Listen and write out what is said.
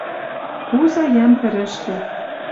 Куза йӓм тӹрӹшкӹ